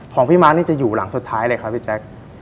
ของพี่ม้านี่จะอยู่หลังสุดท้ายเลยครับพี่แจ๊ค